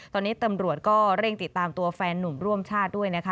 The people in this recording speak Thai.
ตอนนี้ตำรวจก็เร่งติดตามตัวแฟนนุ่มร่วมชาติด้วยนะคะ